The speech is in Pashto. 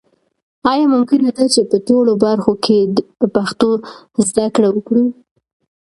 آیا ممکنه ده چې په ټولو برخو کې په پښتو زده کړه وکړو؟